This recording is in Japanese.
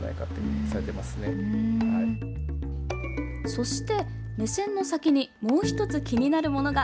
そして目線の先にもう１つ気になるものが。